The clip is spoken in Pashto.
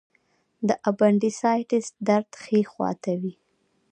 د اپنډیسایټس درد ښي خوا ته وي.